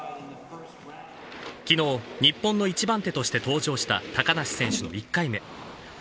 きのう、日本の１番手として登場した高梨選手の１回目。